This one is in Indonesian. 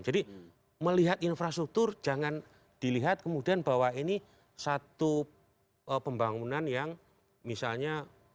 jadi melihat infrastruktur jangan dilihat kemudian bahwa ini satu pembangunan yang misalnya